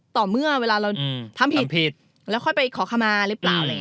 ต่อเมื่อเราทำผิดแล้วไปขอคำมาหรือเปล่า